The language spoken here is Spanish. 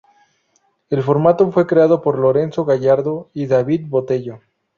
El formato fue creado por Lorenzo Gallardo y David Botello.